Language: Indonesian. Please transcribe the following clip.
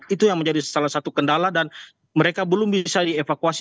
itu yang menjadi salah satu kendala dan mereka belum bisa dievakuasi